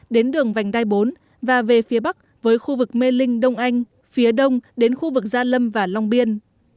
đến đường vành đai bốn và về phía bắc với khu vực mê linh đông anh phía đông đến khu vực gia lâm và long biên